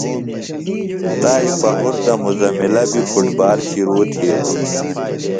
تائی پہُرتہ مزملہ بیۡ فُٹ بال شِرو تِھیلوۡ۔